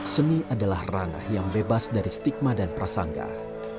seni adalah ranah yang bebas dari stigma dan prasanggah